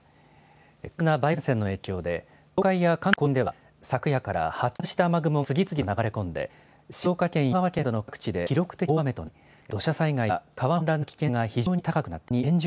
活発な梅雨前線の影響で、東海や関東甲信では、昨夜から発達した雨雲が次々と流れ込んで、静岡県や神奈川県などの各地で記録的な大雨となり、土砂災害や川の氾濫の危険性が非常に高くなっています。